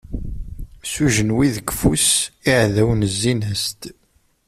S ujenwi deg ufus, iɛdawen zzin-as-d.